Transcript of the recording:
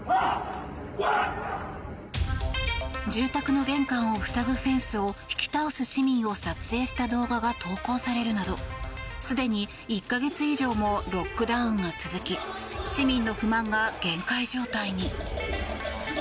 住宅の玄関を塞ぐフェンスを引き倒す市民を撮影した動画が投稿されるなどすでに１か月以上もロックダウンが続き市民の不満が限界状態に。